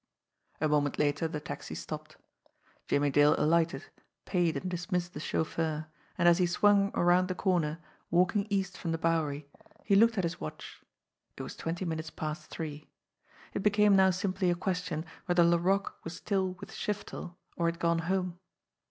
A moment later the taxi stopped. Jimmie Dale alighted, paid and dismissed the chauffeur, and as he swung around the corner, walking east from the Bowery, he looked at his watch. It was twenty minutes past three. It became now simply a question whether Lar^que was still with Shiftel, or had gone home.